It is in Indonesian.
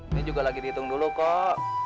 ini juga lagi dihitung dulu kok